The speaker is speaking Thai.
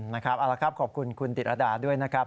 นะครับเอาละครับขอบคุณคุณติดรดาด้วยนะครับ